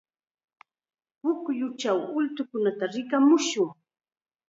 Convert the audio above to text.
Pukyuchaw ultukunata rikamushun.